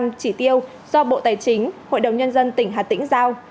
đạt hai mươi tám hai mươi chín trị tiêu do bộ tài chính hội đồng nhân dân tỉnh hà tĩnh giao